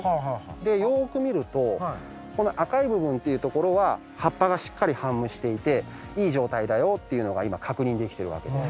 でよく見るとこの赤い部分っていう所は葉っぱがしっかりしていていい状態だよっていうのが今確認できているわけです。